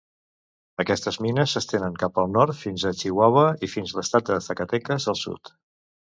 Aquestes mines s'estenen cap al nord fins a Chihuahua i fins a l'estat de Zacatecas al sud.